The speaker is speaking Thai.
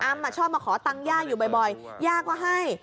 ชอบมาขอตังค์ย่าอยู่บ่อยย่าก็ให้